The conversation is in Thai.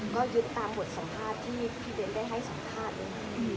ก็ยึดตามหมดสัมภาษณ์ที่พี่เดญงได้ให้สัมภาษณ์